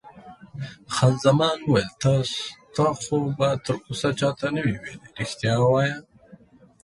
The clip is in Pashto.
خان زمان وویل: تا خو به تراوسه چا ته نه وي ویلي؟ رښتیا وایه.